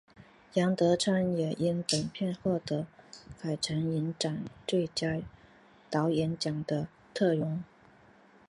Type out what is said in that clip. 杨德昌也因本片获得坎城影展最佳导演奖的殊荣。